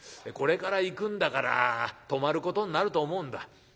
これから行くんだから泊まることになると思うんだ。